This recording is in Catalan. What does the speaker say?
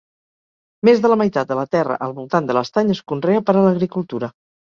Més de la meitat de la terra al voltant de l'estany es conrea per a l'agricultura.